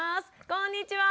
こんにちは。